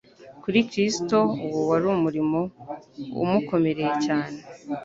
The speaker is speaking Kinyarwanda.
Kuri Kristo, uwo wari umurimo umukomereye cyane